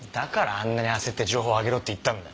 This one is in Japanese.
あんなに焦って情報を上げろって言ったんだ。